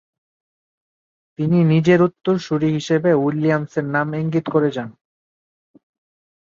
তিনি নিজের উত্তরসূরি হিসেবে উইলিয়ামসের নাম ইঙ্গিত করে যান।